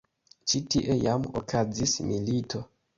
Ĉi tie jam okazis milito.